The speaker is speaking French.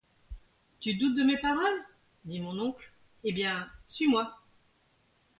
Tu doutes de mes paroles ? dit mon oncle ; eh bien ! suis-moi.